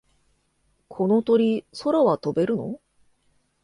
この鳥、空は飛べるの？